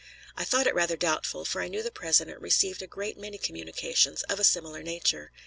I thought it rather doubtful, for I knew the President received a great many communications of a similar nature.